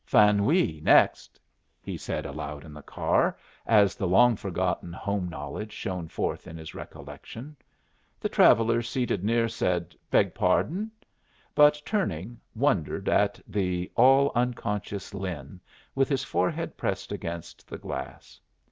"Faneuil's next," he said aloud in the car, as the long forgotten home knowledge shone forth in his recollection. The traveller seated near said, "Beg pardon?" but, turning, wondered at the all unconscious Lin, with his forehead pressed against the glass.